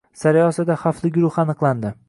Sariosiyoda xavfli guruh aniqlandi